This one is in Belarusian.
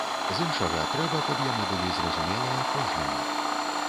З іншага, трэба, каб яны былі зразумелыя кожнаму.